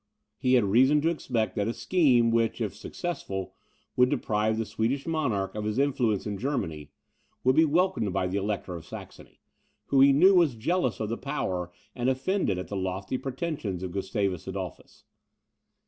He had reason to expect that a scheme, which, if successful, would deprive the Swedish monarch of his influence in Germany, would be welcomed by the Elector of Saxony, who he knew was jealous of the power and offended at the lofty pretensions of Gustavus Adolphus.